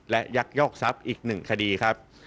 และยักยอกทรัพย์อีก๑คดีครับ